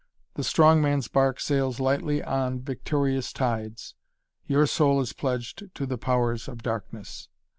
The strong man's bark sails lightly on victorious tides. Your soul is pledged to the Powers of Darkness."